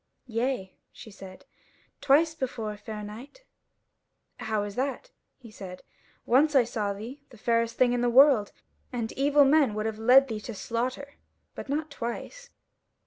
"Yea," she said, "twice before, fair knight." "How is that?" he said; "once I saw thee, the fairest thing in the world, and evil men would have led thee to slaughter; but not twice."